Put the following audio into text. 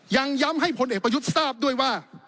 ยังย้ำให้พลเอกประยุทธ์ทราบด้วยว่า